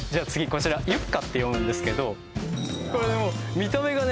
こちら「ゆっか」って読むんですけどこれもう見た目がね